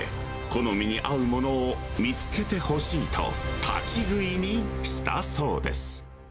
好みに合うものを見つけてほしいと、立ち食いにしたそうです。